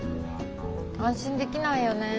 安心できないよねえ。